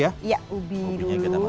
iya ubinya dulu